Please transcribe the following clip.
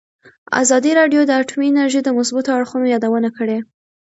ازادي راډیو د اټومي انرژي د مثبتو اړخونو یادونه کړې.